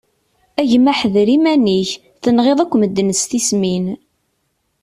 A gma ḥder iman-ik, tenɣiḍ akk medden s tismin.